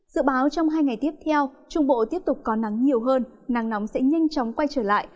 dự báo trong hai ngày tiếp theo trung bộ tiếp tục có nắng nhiều hơn nắng nóng sẽ nhanh chóng quay trở lại